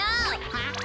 はあ？